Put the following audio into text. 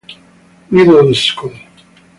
Middle School.